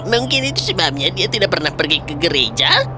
mungkin itu sebabnya dia tidak pernah pergi ke gereja